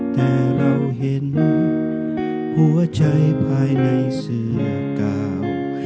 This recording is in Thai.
แต่เราเห็นหัวใจภายในเสือกาว